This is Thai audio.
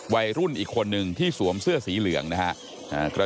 หนึ่งที่ทรวมเสื้อสีเหลืองนะฮะ